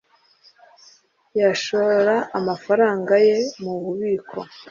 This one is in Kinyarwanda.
yashora amafaranga ye mububiko